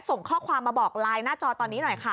ส่งข้อความมาบอกไลน์หน้าจอตอนนี้หน่อยค่ะ